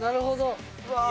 うわ。